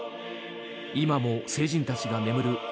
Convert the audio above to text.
今も聖人たちが眠る